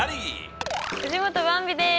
藤本ばんびです。